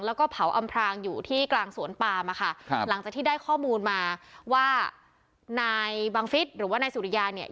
แล้วก็เผาอำพรางอยู่ที่กลางสวนปามอะค่ะครับหลังจากที่ได้ข้อมูลมาว่านายบังฟิศหรือว่านายสุริยาเนี่ย